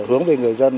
hướng về người dân